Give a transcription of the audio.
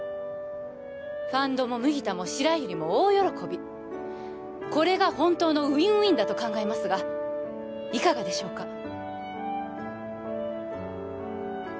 ファンドも麦田も白百合も大喜びこれがホントのウィンウィンだと考えますがいかがでしょうか？